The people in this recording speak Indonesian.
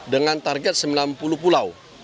dengan target sembilan puluh pulau